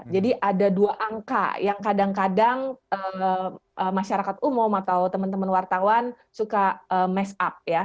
jadi ada dua angka yang kadang kadang masyarakat umum atau teman teman wartawan suka mess up